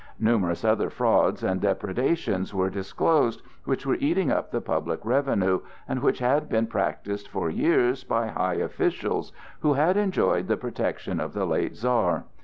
Numerous other frauds and depredations were disclosed, which were eating up the public revenues, and which had been practised for years by high officials who had enjoyed the protection of the late Czar.